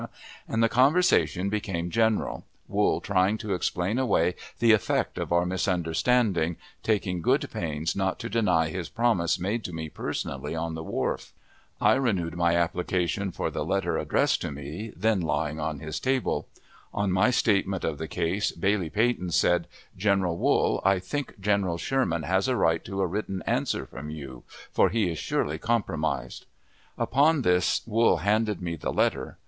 and the conversation became general, Wool trying to explain away the effect of our misunderstanding, taking good pains not to deny his promise made to me personally on the wharf. I renewed my application for the letter addressed to me, then lying on his table. On my statement of the case, Bailey Peyton said, "General Wool, I think General Sherman has a right to a written answer from you, for he is surely compromised." Upon this Wool handed me the letter.